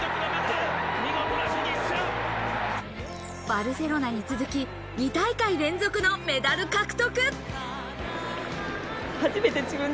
バルセロナに続き、２大会連続のメダル獲得。